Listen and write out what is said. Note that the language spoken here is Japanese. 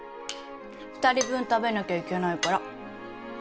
二人分食べなきゃいけないから